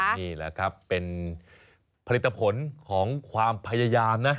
นี่แหละครับเป็นผลิตผลของความพยายามนะ